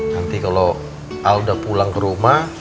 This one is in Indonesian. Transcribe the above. nanti kalo al udah pulang ke rumah